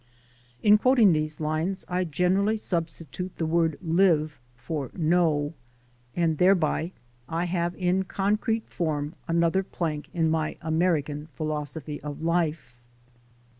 In quoting these lines, I generally substitute the word "live" for "know," and thereby I have in con crete form another plank in my American philosophy of life.